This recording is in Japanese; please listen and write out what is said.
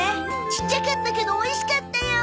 ちっちゃかったけどおいしかったよ。